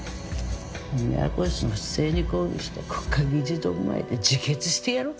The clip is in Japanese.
宮越の不正に抗議して国会議事堂前で自決してやろうかと思った。